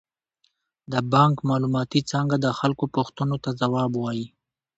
د بانک معلوماتي څانګه د خلکو پوښتنو ته ځواب وايي.